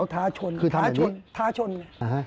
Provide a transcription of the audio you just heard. ท้าชนท้าชนท้าชนนะครับ